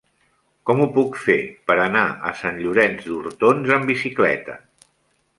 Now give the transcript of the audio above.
Com ho puc fer per anar a Sant Llorenç d'Hortons amb bicicleta?